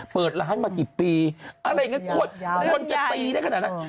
เปิดร้านมากี่ปีอะไรอย่างนี้ควรจะตีได้ขนาดนั้น